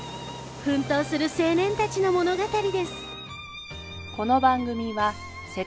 奮闘する青年たちの物語です。